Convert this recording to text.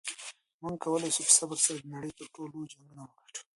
موږ کولی شو په صبر سره د نړۍ تر ټولو لوی جنګونه وګټو.